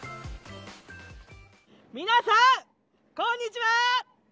皆さん、こんにちは！